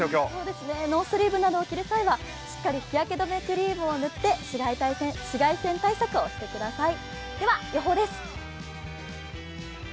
ノースリーブなどを着る際は、しっかり日焼け止めクリームなどを塗って紫外線対策をしてください。